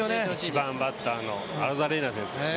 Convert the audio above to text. １番バッターのアロザレーナ選手。